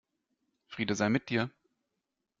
Friede sei mit dir.